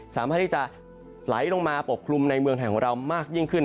สามารถที่จะไหลลงมาปกคลุมในเมืองไทยของเรามากยิ่งขึ้น